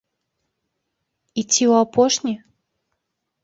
І ці ў апошні?